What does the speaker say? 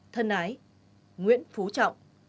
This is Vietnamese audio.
thân ái nguyễn phú trọng